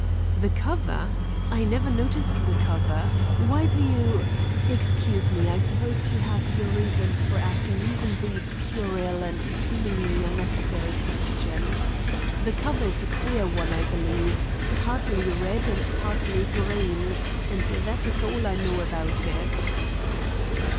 "The cover? I never noticed the cover. Why do you—. Excuse me, I suppose you have your reasons for asking even these puerile and seemingly unnecessary questions. The cover is a queer one I believe; partly red and partly green; and that is all I know about it."